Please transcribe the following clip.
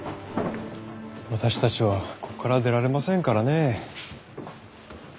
私たちはここから出られませんからね。